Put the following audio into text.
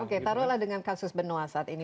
oke taruhlah dengan kasus benua saat ini